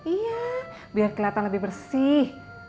iya biar kelihatan lebih bersih